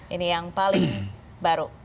ini yang paling baru